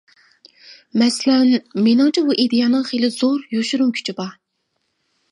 مەسىلەن: مېنىڭچە بۇ ئىدىيەنىڭ خېلى زور يوشۇرۇن كۈچى بار.